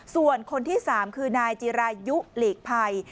ส่วนคนที่๓คือนายจิรายุหลีกภัย